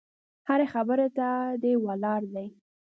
هرې خبرې ته دې ولاړ دي.